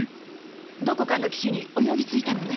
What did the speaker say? どこかの岸に泳ぎ着いたのね？